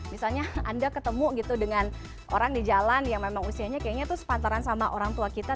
misalnya anda ketemu gitu dengan orang di jalan yang memang usianya kayaknya tuh sepantaran sama orang tua kita